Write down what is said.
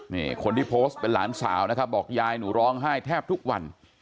นี่คนที่โพสต์เป็นหลานสาวนะครับบอกยายหนูร้องไห้แทบทุกวัน